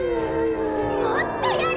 もっとやれ！